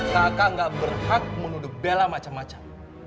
kakak gak berhak menuduh bela macam macam